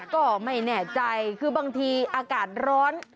ก็ไม่แน่ใจคือบางทีอากาศร้อน